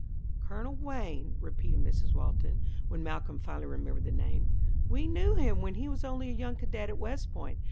"Colonel Wayne," repeated Mrs. Walton, when Malcolm finally remembered the name. "We knew him when he was only a young cadet at West Point.